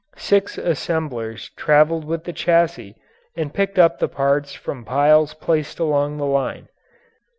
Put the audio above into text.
Six assemblers traveled with the chassis and picked up the parts from piles placed along the line.